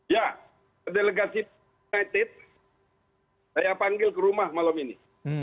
ya delegasi united saya panggil ke rumah malam ini